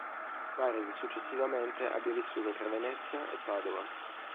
Pare che successivamente abbia vissuto tra Venezia e Padova.